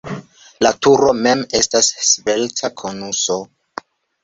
La turo mem estas svelta konuso.